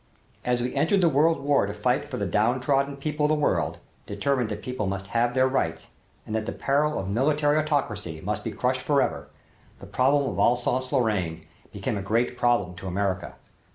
As we entered the world war to fight for the downtrodden people of the world, determined that people must have their rights and that the peril of military autocracy must be crushed forever, the problem of Alsace Lorraine became a great problem to America.